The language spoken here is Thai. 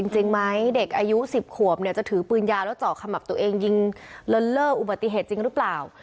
จริงไหมเด็กอายุ๑๐ขวบเนี่ยจะถือปืนยาวแล้วเจาะขมับตัวเองยิงเลินเล่ออุบัติเหตุจริงหรือเปล่า